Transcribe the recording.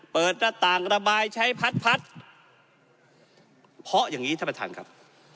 เปิดหน้าต่างระบายใช้พัดพัดเพราะอย่างนี้ท่านประธานครับ